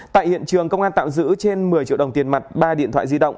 tại hiện trường công an tạm giữ trên một mươi triệu đồng tiền mặt ba điện thoại di động